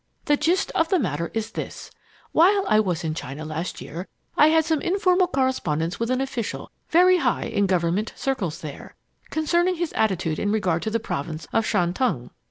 The gist of the matter is this: while I was in China last year, I had some informal correspondence with an official very high in government circles there, concerning his attitude in regard to the province of Shantung.